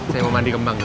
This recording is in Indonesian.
saya mau mandi kembang ya